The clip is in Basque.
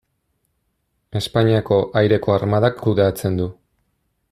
Espainiako Aireko Armadak kudeatzen du.